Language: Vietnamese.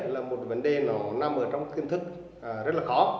là một vấn đề nó nằm ở trong kiến thức rất là khó